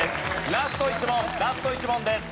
ラスト１問ラスト１問です。